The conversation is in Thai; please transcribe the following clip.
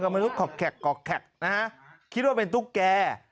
ก็มันก็ขอกแขกนะฮะคิดว่าเป็นตุ๊กแก่